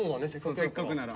せっかくなら。